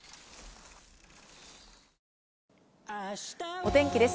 お天気です。